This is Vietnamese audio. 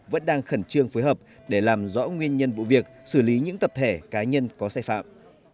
vẫn đang khẩn trương phối hợp để làm rõ nguyên nhân vụ việc xử lý những tập thể cá nhân có sai phạm